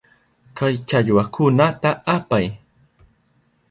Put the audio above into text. Kay challwakunata apay.